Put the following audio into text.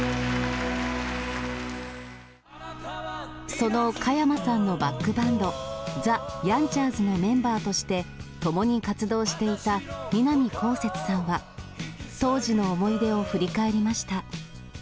その加山さんのバックバンド、ザ・ヤンチャーズのメンバーとして、共に活動していた南こうせつさんは、当時の思い出を振り返りました。